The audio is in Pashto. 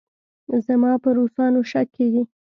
زما په روسانو شک کېږي.